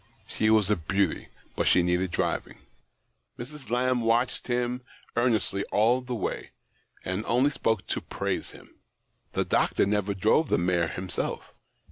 She was a beauty, but she needed driving. Mrs. Lamb watphed him earnestly all the way, and only spoke to praise him. The doctor never drove the mare himself.